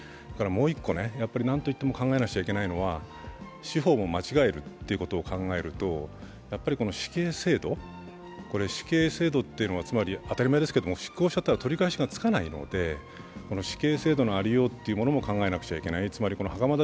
もう一個、何と言っても考えなきゃいけないのは、司法も間違えるということを考えるとやっぱり、死刑制度っていうのはつまり当たり前ですけど執行しちゃったら取り返しがつかないので、死刑制度のありようというものも考えなきゃいけない。